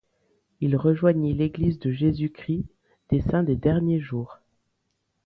Il rejoignit l'Église de Jésus-Christ des saints des derniers jours.